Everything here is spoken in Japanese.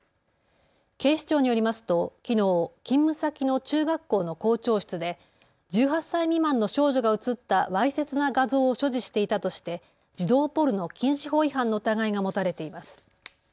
警視庁によりますときのう勤務先の中学校の校長室で１８歳未満の少女が写ったわいせつな画像を所持していたとして児童ポルノ禁止法違反の疑いが持たれています。